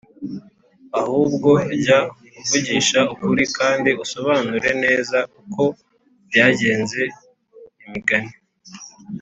Ahubwo jya uvugisha ukuri kandi usobanure neza uko byagenze imigani